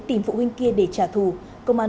tìm phụ huynh kia để trả thù công an